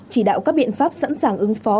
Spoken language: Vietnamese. chỉ đạo các biện pháp sẵn sàng ứng phó